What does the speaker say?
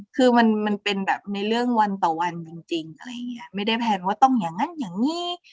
คือมันเป็นแบบในเรื่องวันต่อวันจริงไม่ได้แพลนว่าต้องอย่างนั้นอย่างนี้